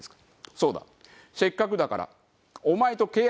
そうだせっかくだからお前と契約をしてやろう。